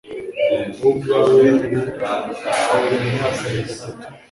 wowe ubwawe uri bunyihakane gatatu.»